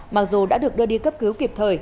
mặc dù đã được đưa đi cấp cứu kịp thời